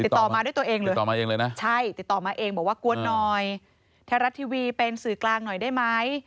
ติดต่อมาด้วยตัวเองเหรอใช่ติดต่อมาเองบอกว่ากล้วนหน่อยแทรศทีวีเป็นสื่อกลางหน่อยได้ไหม